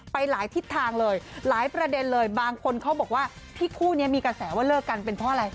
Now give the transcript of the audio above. ไปหลายทิศทางเลยหลายประเด็นเลยบางคนเขาบอกว่าที่คู่นี้มีกระแสว่าเลิกกันเป็นเพราะอะไร